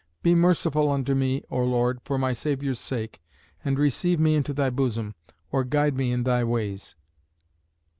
Be merciful unto me (O Lord) for my Saviour's sake, and receive me into thy bosom, or guide me in thy ways."